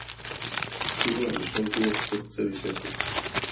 Tuhle myšlenku to chce vysvětlit.